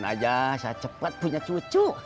mudah mudahan aja saya cepat punya cucu